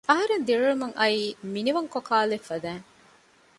އަހަރެން ދިރިއުޅެމުން އައީ މިނިވަން ކޮކާލެއް ފަދައިން